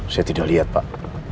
saya tidak lihat pak